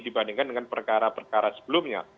dibandingkan dengan perkara perkara sebelumnya